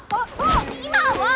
今は！